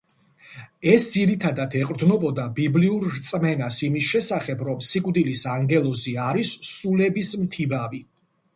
ეს ძირითადად ეყრდნობოდა ბიბლიურ რწმენას იმის შესახებ, რომ სიკვდილის ანგელოზი არის „სულების მთიბავი“.